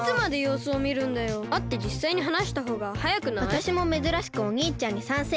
わたしもめずらしくおにいちゃんにさんせい。